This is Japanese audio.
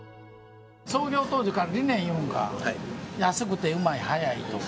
創業当時からの理念というのが、安くて、うまい、早いと。